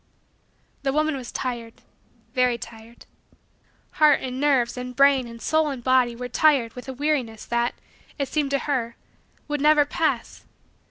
The woman was tired very tired. Heart and nerves and brain and soul and body were tired with a weariness that, it seemed to her, would never pass.